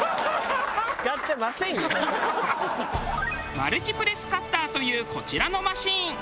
マルチプレスカッターというこちらのマシン。